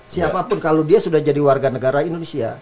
siapapun kalau dia sudah jadi warga negara indonesia